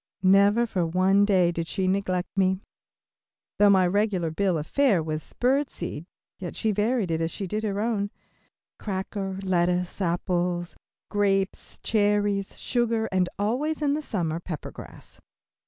Never for one day did she neglect me. Though my regular bill of fare was bird seed, yet she varied it as she did her own. Cracker, lettuce, apples, grapes, cherries, sugar, and always in the summer, pepper grass.